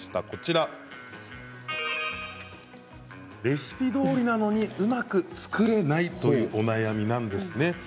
圧力鍋のレシピどおりなのにうまく作れないというお悩みなんですね。